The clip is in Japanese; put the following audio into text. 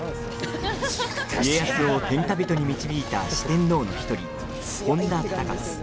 家康を天下人に導いた四天王の１人、本多忠勝。